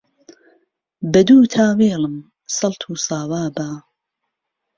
به دووتا وێڵم سهڵت و ساوا به